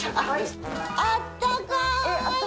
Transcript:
あったかい！